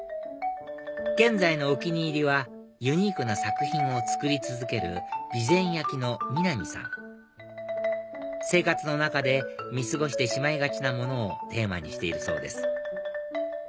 現在のお気に入りはユニークな作品を作り続ける備前焼の三奈三さん生活の中で見過ごしてしまいがちなものをテーマにしているそうです